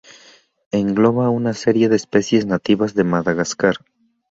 Engloba a una serie de especies nativas de Madagascar.